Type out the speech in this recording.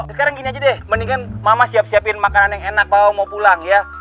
sekarang gini aja deh mendingan mama siap siapin makanan yang enak mau pulang ya